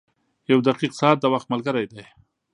• یو دقیق ساعت د وخت ملګری دی.